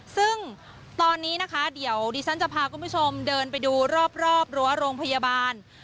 ซึ่งตอนนี้นะคะเดี๋ยวดิฉันจะพาคุณผู้ชมเดินไปดูรอบรั้วโรงพยาบาล